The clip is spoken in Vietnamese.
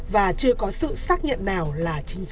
và chưa có sự xác nhận nào là chính xác